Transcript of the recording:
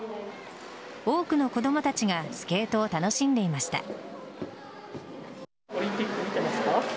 多くの子供たちがスケートを楽しんでいました。